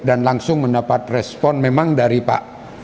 dan langsung mendapat respon memang dari pak